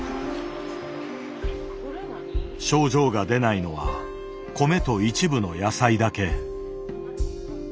症状が出ないのは米と一部の野菜だけ。